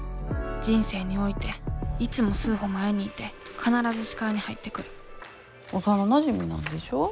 人生においていつも数歩前にいて必ず視界に入ってくる幼なじみなんでしょ？